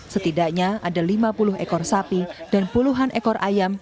setidaknya ada lima puluh ekor sapi dan puluhan ekor ayam